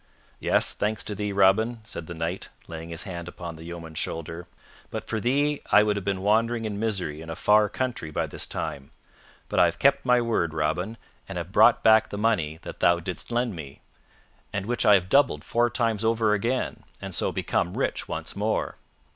"Yes, thanks to thee, Robin," said the Knight, laying his hand upon the yeoman's shoulder. "But for thee I would have been wandering in misery in a far country by this time. But I have kept my word, Robin, and have brought back the money that thou didst lend me, and which I have doubled four times over again, and so become rich once more.